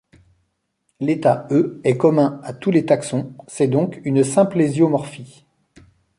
L'état e est commun à tous les taxons, c'est donc une symplésiomorphie.